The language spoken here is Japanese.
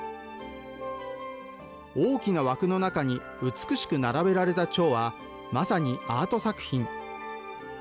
大きな枠の中に、美しく並べられたチョウは、まさにアート作品。